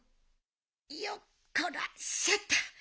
よっこらせっと。